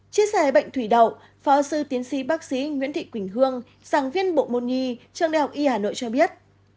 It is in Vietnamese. chia sẻ bệnh thủy đậu phó sư tiến sĩ bác sĩ nguyễn thị quỳnh hương giảng viên bộ môn nhi trường đại học y hà nội cho biết